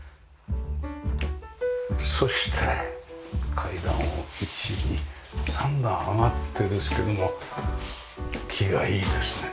そして階段を１２３段上がってですけども木がいいですね。